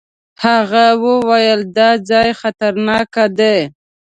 هغه وويل دا ځای خطرناک دی.